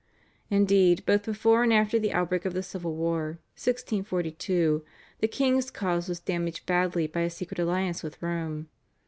Indeed both before and after the outbreak of the Civil War (1642) the king's cause was damaged badly by his secret alliance with Rome.